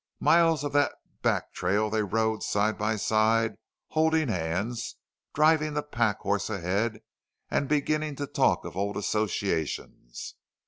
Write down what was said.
Miles of that back trail they rode side by side, holding hands, driving the pack horse ahead, and beginning to talk of old associations.